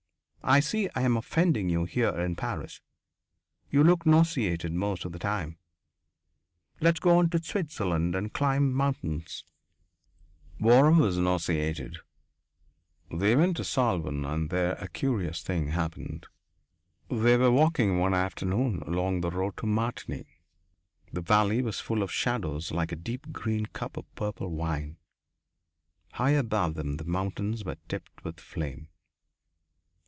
I see I'm offending you here in Paris you look nauseated most of the time. Let's go on to Switzerland and climb mountains." Waram was nauseated. They went to Salvan and there a curious thing happened. They were walking one afternoon along the road to Martigny. The valley was full of shadows like a deep green cup of purple wine. High above them the mountains were tipped with flame.